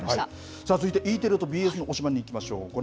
続いてＥテレとＢＳの推しバン！にいきましょう。